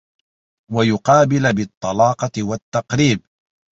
وَيُقَابِلَ بِالطَّلَاقَةِ وَالتَّقْرِيبِ